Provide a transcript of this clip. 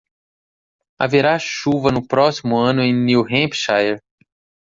Haverá chuva no próximo ano em New Hampshire?